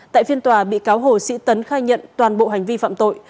tại phiên tòa bị cáo hồ sĩ tấn khai nhận toàn bộ hành vi phạm tội